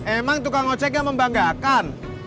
emang tukang ojek yang membanggakan